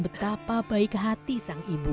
betapa baik hati sang ibu